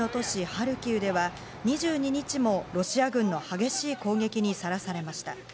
ハルキウでは２２日もロシア軍の激しい攻撃にさらされました。